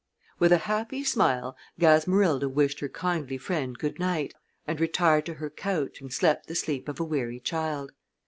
With a happy smile Gasmerilda wished her kindly friend good night, and retired to her couch and slept the sleep of a weary child.